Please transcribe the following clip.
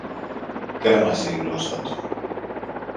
κρέμασε η γλώσσα του